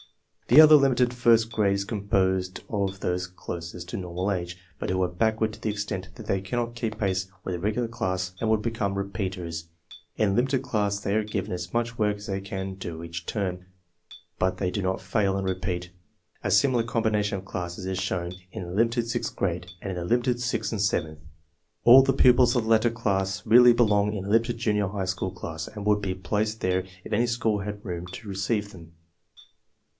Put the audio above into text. The other limited first grade is composed of those closest to normal age, but who are backward to the extent that they cannot keep pace with a regular class and would become re s peaters. Jr\ the limited class they are given as much ' ^oikja&JJiQ^can do each term, but they do not "fail" and rgpeak A similar combination of classes is shown in the limited sixth grade, and in the limited sixth and seventh. All the pupils of the latter class really belong in a limited junior high school class and would be placed there if any school had room to receive them.